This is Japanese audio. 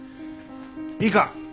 いいか？